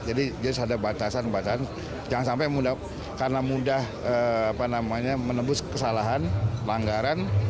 jadi jika ada batasan jangan sampai karena mudah menembus kesalahan